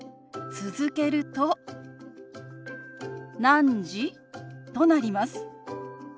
続けると「何時？」となります。